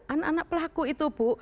anak anak pelaku itu bu